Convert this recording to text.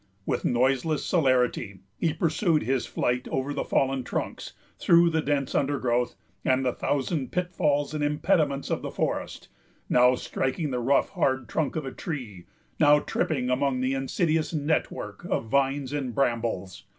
With noiseless celerity he pursues his flight over the fallen trunks, through the dense undergrowth, and the thousand pitfalls and impediments of the forest; now striking the rough, hard trunk of a tree, now tripping among the insidious network of vines and brambles.